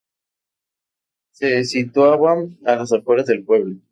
Se situaba a las afueras del pueblo.